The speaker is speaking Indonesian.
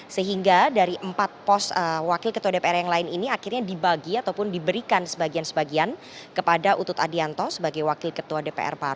sehingga dari empat pos wakil ketua dpr yang lain ini akhirnya dibagi ataupun diberikan sebagian sebagian kepada utut adianto sebagai wakil ketua dpr